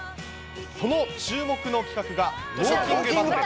その注目の企画が、ウオーキングバトル。